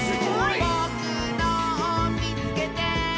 「ぼくのをみつけて！」